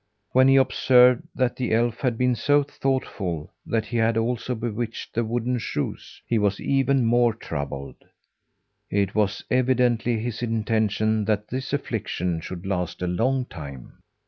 When he observed that the elf had been so thoughtful that he had also bewitched the wooden shoes, he was even more troubled. It was evidently his intention that this affliction should last a long time.